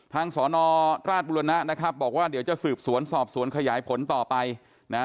สอนอราชบุรณะนะครับบอกว่าเดี๋ยวจะสืบสวนสอบสวนขยายผลต่อไปนะ